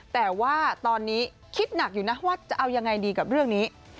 แต่ว่าตอนนี้คิดหนักอยู่นะว่าจะเอายังไงดีกับเรื่องนี้